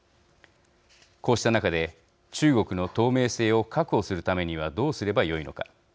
こうした中で中国の透明性を確保するためにはどうすればよいのか。